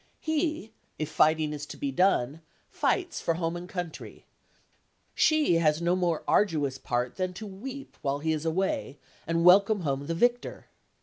He, if fighting is to be done, fights for home and country; she has no more arduous part than to weep, while he is away, and welcome home the victor.